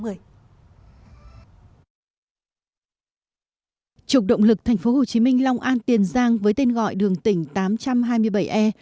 trục động lực tp hcm long an tiền giang với tên gọi đường tỉnh tám trăm hai mươi bảy e